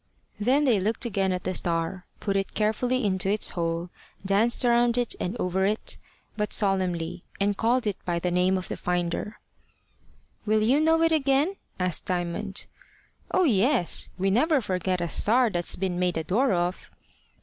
Then they looked again at the star, put it carefully into its hole, danced around it and over it but solemnly, and called it by the name of the finder. "Will you know it again?" asked Diamond. "Oh, yes. We never forget a star that's been made a door of."